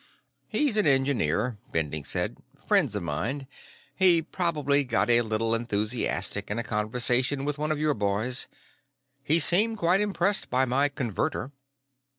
"He's an engineer," Bending said. "Friends of mine. He probably got a little enthusiastic in a conversation with one of your boys. He seemed quite impressed by my Converter."